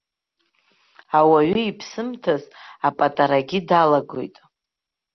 Ауаҩы иԥсымҭаз апатарагьы далагоит.